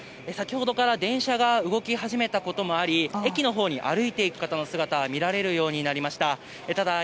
先ほどから電車が動き始めたこともあり駅のほうに歩いていく方の姿が見られるようになりました。